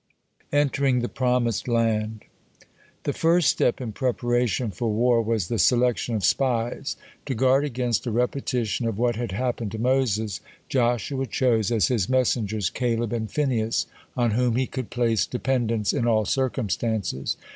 (9) ENTERING THE PROMISED LAND The first step in preparation for war was the selection of spies. To guard against a repetition of what had happened to Moses, Joshua chose as his messengers Caleb and Phinehas, on whom he could place dependence in all circumstances.